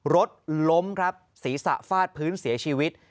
รถล้มสีสะฟาดพื้นเสียชีวิต